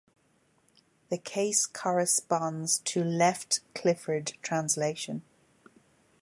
The case corresponds to left Clifford translation.